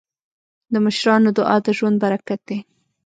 د مشرانو دعا د ژوند برکت دی.